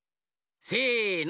せの。